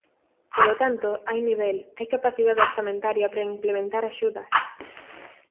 Polo tanto, hai nivel, hai capacidade orzamentaria para implementar axudas.